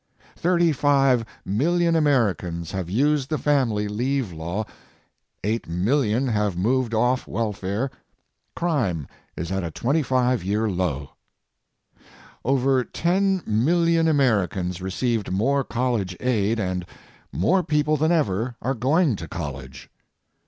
Thirty five million Americans have used the family leave law, eight million have moved off welfare, crime is at a 25 year low. Over 10 million Americans received more college aid and more people than ever are going to college.